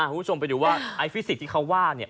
พูดชมไปดูกันไอร์ฟิสิกส์ที่เขาว่าเป็นยังไง